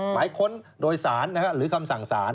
หมายค้นโดยสารหรือคำสั่งสาร